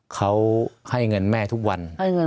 เขาให้เงินแม่ทุกวัน